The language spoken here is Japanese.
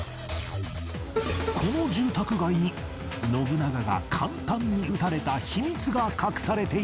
この住宅街に信長が簡単に討たれた秘密が隠されているという